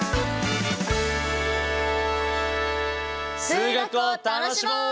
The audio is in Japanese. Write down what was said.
数学を楽しもう！